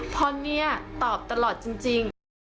พอเนี่ยตอบตลอดจริง